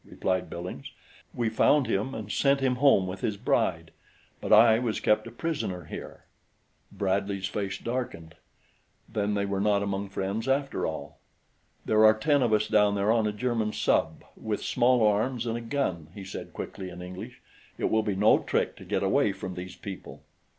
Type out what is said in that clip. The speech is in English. replied Billings. "We found him and sent him home with his bride; but I was kept a prisoner here." Bradley's face darkened then they were not among friends after all. "There are ten of us down there on a German sub with small arms and a gun," he said quickly in English. "It will be no trick to get away from these people."